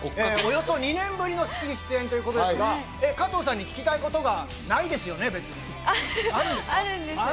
およそ２年ぶりの『スッキリ』出演ということですが、加藤さんに聞きたいことはないですよね、別に。